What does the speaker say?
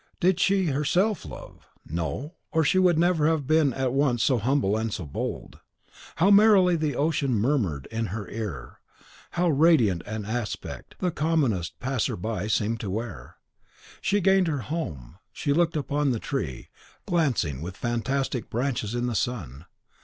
Did she herself love? No; or she would never have been at once so humble and so bold. How merrily the ocean murmured in her ear; how radiant an aspect the commonest passer by seemed to wear! She gained her home, she looked upon the tree, glancing, with fantastic branches, in the sun.